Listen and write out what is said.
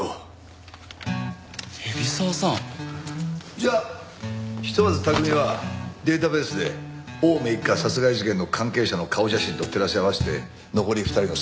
じゃあひとまず拓海はデータベースで青梅一家殺害事件の関係者の顔写真と照らし合わせて残り２人の参加者を洗い出してくれ。